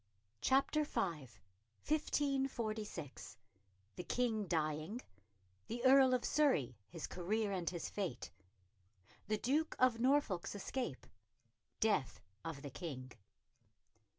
CHAPTER V 1546 The King dying The Earl of Surrey His career and his fate The Duke of Norfolk's escape Death of the King.